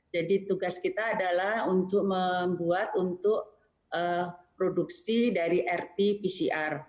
jadi tugas kita adalah untuk membuat untuk produksi dari rt pcr